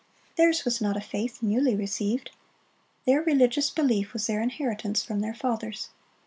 Theirs was not a faith newly received. Their religious belief was their inheritance from their fathers.